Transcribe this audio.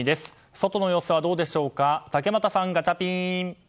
外の様子はどうでしょうか竹俣さん、ガチャピン！